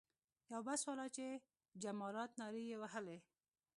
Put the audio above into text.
یو بس والا چې جمارات نارې یې وهلې.